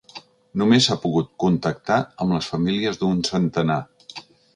Només s’ha pogut contactar amb les famílies d’un centenar.